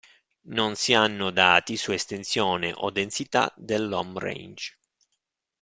Non si hanno dati su estensione o densità dell"'home range".